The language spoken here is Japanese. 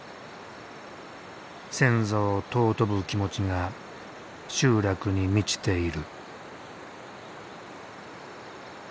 先祖を尊ぶ気持ちが集落に満ちている。